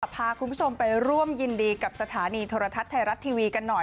พาคุณผู้ชมไปร่วมยินดีกับสถานีโทรทัศน์ไทยรัฐทีวีกันหน่อย